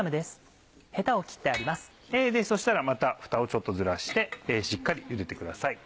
そしたらまたフタをちょっとずらしてしっかりゆでてください。